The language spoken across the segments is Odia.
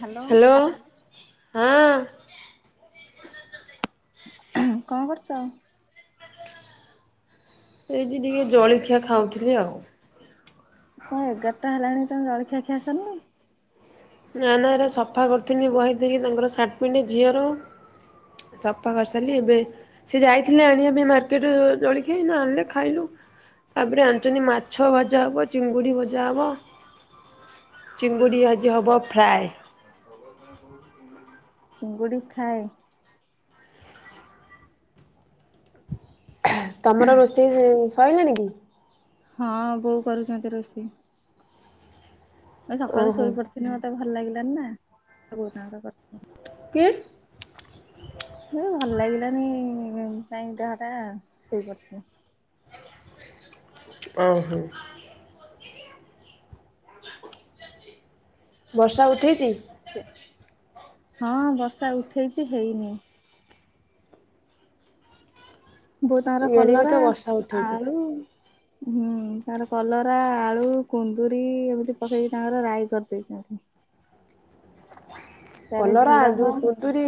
Hello hello. ହଁ। କଣ କରୁଛ? ଏଇଠି ଟିକେ ଜଳଖିଆ ଖାଉଥିଲି ଆଉ। କଣ ଏଗାରଟା ହେଲାଣି ତମ ଜଳଖିଆ ସରିନି? ନା ନା ଏରା ସଫା କରିଥିଲି ବହେ ଦେଇକି ତାଙ୍କର ସାର୍ଟ ପେଣ୍ଟ ଝିଅର। ସଫା କରିସାରିଲି ଏବେ ସେ ଯାଇଥିଲେ ଆଣିବା ପାଇଁ ମାର୍କେଟରୁ ଜଳିଖିଆ ସେ ଆଣିଲେ ଖାଇଲୁ। ତା ପରେ ଆଣିଛନ୍ତି ମାଛ ଭଜା ହେବ ଚିଙ୍ଗୁଡ଼ି ଭଜା ହେବ ଚିଙ୍ଗୁଡ଼ି ଆଜି ହେବ ଫ୍ରାଏ। [inaudible] ଚିଙ୍ଗୁଡ଼ି ଫ୍ରାଏ? ତମର ରୋଷେଇ ସଇଲାଣି କି? ହଁ ବୋଉ କରୁଛନ୍ତି ରୋଷେଇ। ମୁ ଏଇ ସକାଳୁ ଓହୋ ଶୋଇ ପଡ଼ିଥିଲି ମତେ ଭଲ ଲାଗିଲାନି ନା, ବୋଉ ତାଙ୍କର କରିଥିଲେ। କିଏ? ଏ ଭଲ ଲାଗିଲାନି କାଇଁ ଦେହଟା ଶୋଇ ପଡ଼ିଥିଲି। ଓହୋ। ବର୍ଷା ଉଠେଇଛି? ସେ ହଁ ବର୍ଷା ଉଠେଇଛି ହେଇନି। ବୋଉ ତାଙ୍କର ଇଆଡ଼େ ବି କଲରା, ତ ବର୍ଷା ଉଠେଇଛି ଆଳୁ ହୁଁ ତାଙ୍କର କଲରା ଆଳୁ କୁନ୍ଦୁରି ଏମିତି ପକେଇକି ତାଙ୍କର ରାଇ କରିଦେଇଛନ୍ତି। ତାର କଲରା ଝୁଡଙ୍ଗ ଯୋଉ କୁନ୍ଦୁରି,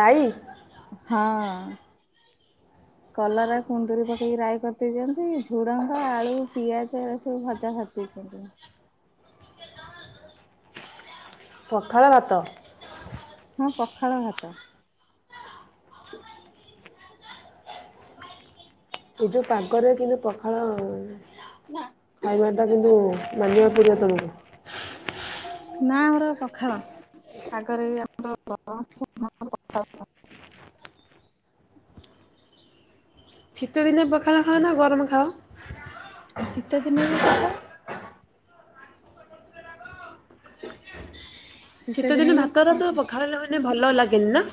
ରାଇ ହଁ। [unintelligible] କଲରା କୁନ୍ଦୁରି ପକେଇକି ରାଇ କରିଦେଇଛନ୍ତି, ଝୁଡ଼ଙ୍ଗ ଆଳୁ ପିଆଜ ଏ ସବୁ ଭଜା ଭା ଠିକ୍ କରିଦବା। ପଖାଳ ଭାତ। ହଁ ପଖାଳ ଭାତ। ହ ଏ ଯଉ ପାଗରେ କିନ୍ତୁ ପଖାଳ ଆଉ। ଖାଇବା ଟା କିନ୍ତୁ ମାନିବାକୁ ପଡ଼ିବ ତମକୁ। ନା ହେରା ପଖାଳ ଆଗରେ ଆମର [unintelligible] ଶିତ ଦିନେ ପଖାଳ ଖାଓ ନା ଗରମ ଖାଉ? ଶୀତଦିନ ବି ପଖାଳ? ଶୀତ ଦିନେ ଶୀତଦିନ ବି ଭାତରା ପଖାଳ ଏତେ ପଖାଳିଲେ ମାନେ ଭଲ ଲାଗେନି ନା?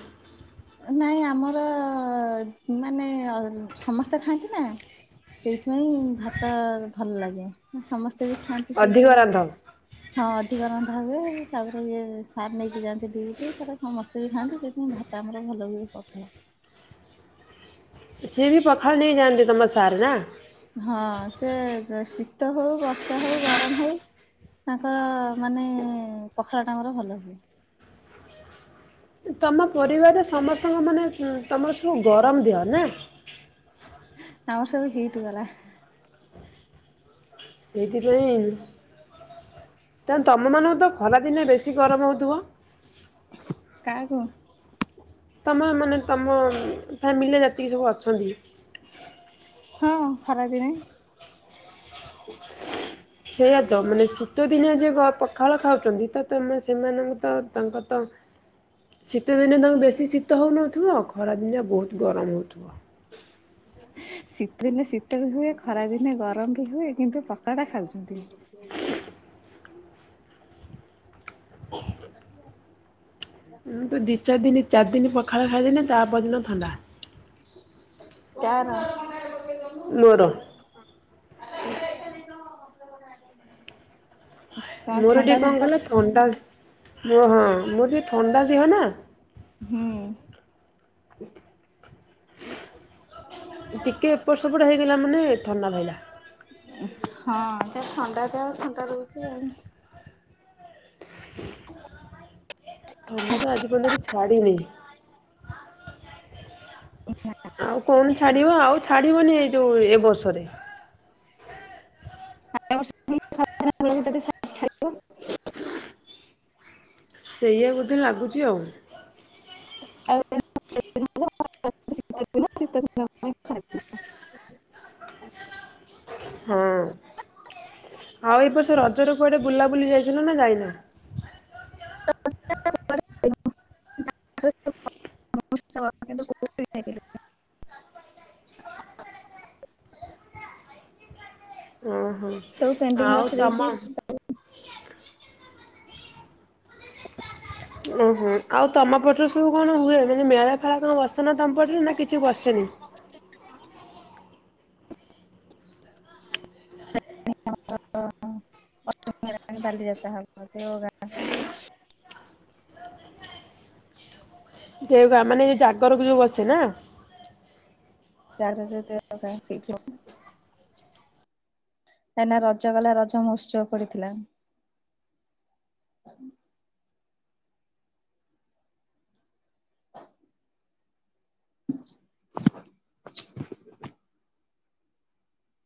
ନାଇଁ ଆମର ମାନେ ସମସ୍ତେ ଖାଆନ୍ତି ନା। ସେଇଥିପାଇଁ ଭାତ ଭଲ ଲାଗେ, ସମସ୍ତେ ବି ଖାଆନ୍ତି ସେ ଅଧିକ ଯୋଉ ରାନ୍ଧ। ହଁ ଅଧିକ ରନ୍ଧା ହୁଏ, ତାପରେ ଇଏ ସାର୍ ନେଇକି ଯାଆନ୍ତି ଡିଉଟି, ତର ସମସ୍ତେ ବି ଖାଆନ୍ତି ସେଥିପାଇଁ ଭା ତ ଆମର ଭଲ ହୁଏ ପଖାଳ। ସିଏ ବି ପଖାଳ ନେଇ ଯାଆନ୍ତି ତମ ସାର୍ ନା? ହଁ ସେ ଶୀତ ହଉ, ବର୍ଷା ହଉ, ଗରମ ହଉ ତାଙ୍କ ମାନେ ପଖାଳ ତାଙ୍କର ଭଲ ହୁଏ। ତମ ପରିବାରରେ ସମସ୍ତଙ୍କ ମାନେ, ତମର ସବୁ ଗରମ ଦେହ ନା? ଆମର ସବୁ ହିଟ ବାଲା। ସେଇଥିପାଇଁ ତମମାନଙ୍କୁ ତ ଖରାଦିନେ ବେଶୀ ଗରମ ହେଉଥିବ? କାହାକୁ? ତମ ମାନେ ତୁମ ଫ୍ୟାମିଲିରେ ଯେତିକି ସବୁ ଅଛନ୍ତି? ହଁ ଖରା ଦିନେ ସେଇଆ ତ, ମାନେ ତ ଦିନିଆ ଯେ ପଖାଳ ଖାଉଛନ୍ତି ତ ତମେ ସେମାନଙ୍କ ତ ତାଙ୍କ ତ ଶୀତ ଦିନେ ତାଙ୍କ ବେଶୀ ଶୀତ ହେଉନଥିବ, ଖରାଦିନଆ ବହୁତ ଗରମ ହେଉଥିବ। ଶୀତ ଦିନେ ଶୀତ ବି ହୁଏ, ଖରାଦିନେ ଗରମ ବି ହୁଏ, କିନ୍ତୁ ପକାଳ ଖାଉଛନ୍ତି। [unintelligible] [inaudible] ମୁଁ ତୁ ଦୁଇ ଚାରି ଦିନ, ଚାରି ଦିନ, ପଖାଳ ଖାଇଦେନି ତାପଦିନ ଥଣ୍ଡା। କାର [unintelligible] ମୋର [unintelligible] କଣ ମୋର ଟିକିଏ ଥଣ୍ଡା ଧରିଦବ କଣ କହିଲ, ଥଣ୍ଡା ମୋ ହଁ ମୋର ଟିକିଏ ଥଣ୍ଡା ଦିହ ନା? ହୁଁ ଉଁ ଟିକେ ଏପଟ ସେପଟ ହେଇଗଲା ମାନେ ଥଣ୍ଡା ଧଇଲା। ହଁ ଯ ଥଣ୍ଡା ଯ ଥଣ୍ଡା ରହୁଛି ଆଉ। [unintelligible] ଥଣ୍ଡା ତ ଆଜି ପର୍ଯ୍ୟନ୍ତ ବି ଛାଡିିନି [unintelligible] ଆଉ କଣ ଛାଡ଼ିବ ଆଉ ଛାଡ଼ିବନି ଏଇ ଯେଉଁ ଏ ବର୍ଷରେ? [unintelligible] [unintelligible] ସେଇଆ ବୋଧେ ଲାଗୁଛି ଆଉ। ଆଉ। [unintelligible] ହଁ ଆଉ ଏବର୍ଷ ରଜରେ କୁଆଡେ ବୁଲାବୁଲି ଯାଇଥିଲ ନା ଯାଇନା? [unintelligible] ଓଁ ହୋ। ସବୁ ପେଣ୍ଟିଙ୍ଗ ରଖିଦେଇଛି। ଓହୋ, ଆଉ ତମପଟରୁ ସବୁ କଣ ହୁଏ ମାନେ ମେଳା ଫେଳା କଣ ବସ୍ ଆସନ ଦମ୍ପଟରୁ ନା କିଛି ବସେନି। [inaudible] [unintelligible] [unintelligible] ଦେଓଗାଁ ମାନେ ଜାଗରକୁ ଯୋଉ ବସେ ନା। [unintelligible] କାଇଁକନା ରଜ ଗଲା ରଜ ମହତ୍ସବ ପଡିଥିଲା।